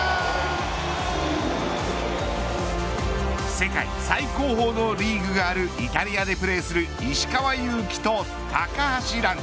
世界最高峰のリーグがあるイタリアでプレーする石川祐希と高橋藍。